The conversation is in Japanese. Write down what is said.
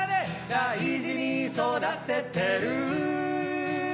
大事に育ててる